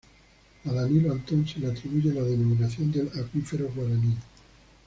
A Danilo Antón se le atribuye la denominación del acuífero Guaraní.